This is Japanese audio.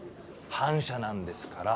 反社なんですから。